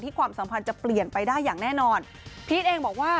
ความสัมพันธ์จะเปลี่ยนไปได้อย่างแน่นอนพีชเองบอกว่า